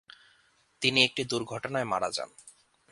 তিনি একটি দুর্ঘটনায় মারা যান।